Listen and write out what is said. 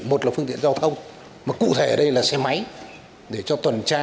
một là phương tiện giao thông mà cụ thể ở đây là xe máy để cho tuần tra